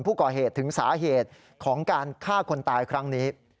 ผู้ก่อเหตุถึงสาเหตุของการฆ่าคนตายครั้งนี้